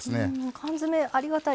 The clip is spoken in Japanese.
缶詰ありがたい。